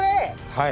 はい。